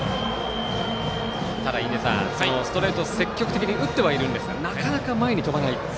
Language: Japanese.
印出さん、ストレート積極的に打ってはいるんですがなかなか、前に飛ばない。